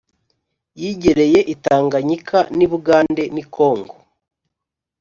yigereye i tanganyika n'i bugande n'i kongo.